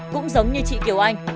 cũng giống như chị kiều anh